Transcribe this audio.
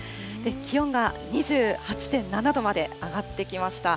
気温が２８．７度まで上がってきました。